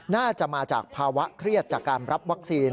น่าจะมาจากภาวะเครียดจากการรับวัคซีน